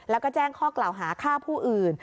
แล้วก็แจ้งข้อกล่าวหาฆ่าผู้อื่น